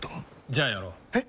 じゃあやろう。え？